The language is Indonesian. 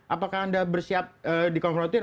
apakah anda bersiap dikonfrontir